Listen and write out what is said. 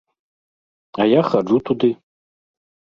А я хаджу туды.